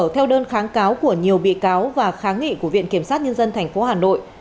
theo đơn kháng cáo của nhiều bị cáo và kháng nghị của viện kiểm sát nhân dân tp hà nội